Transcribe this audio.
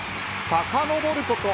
さかのぼること